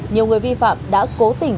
nhiều người vi phạm đã cố tình